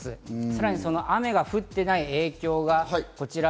さらに雨が降っていない影響がこちら。